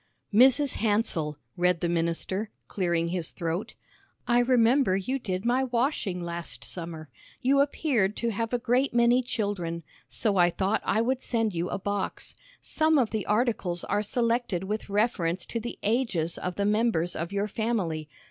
"'Mrs. Hansell,'" read the minister, clearing his throat, "'I remember you did my washing last summer. You appeared to have a great many children, so I thought I would send you a box. Some of the articles are selected with reference to the ages of the members of your family.